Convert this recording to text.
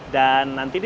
dan nanti disini